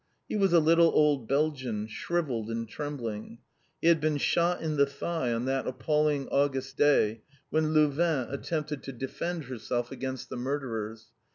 He was a little old Belgian, shrivelled and trembling. He had been shot in the thigh on that appalling August day when Louvain attempted to defend herself against the murderers.